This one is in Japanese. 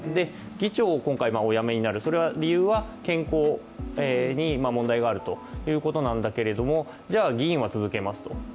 議長を今回、おやめになる、理由は健康に問題があるということなんですけれどもじゃあ議員は続けますと。